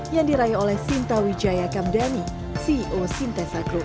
yang diraya oleh sinta wijayakamdhani ceo sintesa group